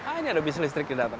ah ini ada bis listrik didaten